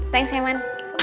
thanks ya man